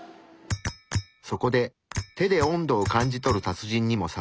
そこで手で温度を感じ取る達人にもさわってもらいます。